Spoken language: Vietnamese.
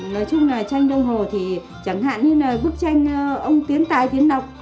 nói chung là tranh đông hồ thì chẳng hạn như là bức tranh ông tiến tài tiến đọc